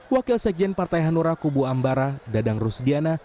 wakil sekjen partai hanura kubu ambara dadang rusdiana